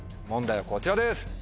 問題はこちらです。